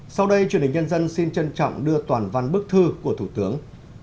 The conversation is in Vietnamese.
sau đây truyền hình nhân dân xin trân trọng đưa toàn văn bức thư của thủ tướng